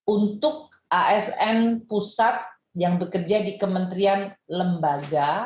untuk asn pusat yang bekerja di kementerian lembaga